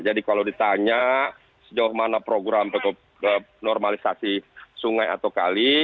jadi kalau ditanya sejauh mana program normalisasi sungai atau kali